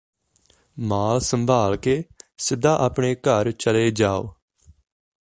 ਮਾਲ ਸੰਭਾਲ ਕੇ ਸਿੱਧਾ ਆਪਣੇ ਘਰ ਚਲੇ ਜਾਓ